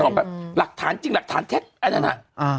อยู่หลังหลักฐานจริงหลักฐานแท็กอันนั้นอ่ะอ้าว